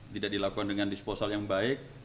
tidak dilakukan dengan disposal yang baik